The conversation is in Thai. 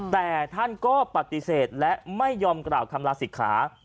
แต่ท่านก็ปฏิเสธและไม่ยอมกล่าวคำลาศิกขา